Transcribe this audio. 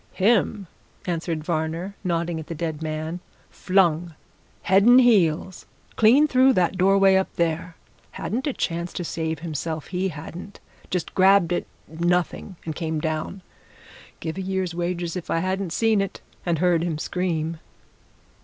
"Him!" answered Varner, nodding at the dead man. "Flung, head and heels, clean through that doorway up there. Hadn't a chance to save himself, he hadn't! Just grabbed at nothing! and came down. Give a year's wages if I hadn't seen it and heard him scream."